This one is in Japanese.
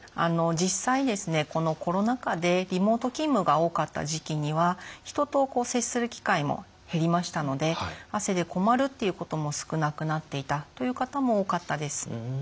実際このコロナ禍でリモート勤務が多かった時期には人と接する機会も減りましたので汗で困るということも少なくなっていたという方も多かったです。